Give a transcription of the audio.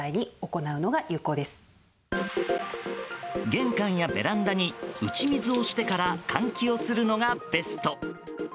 玄関やベランダに打ち水をしてから換気をするのがベスト。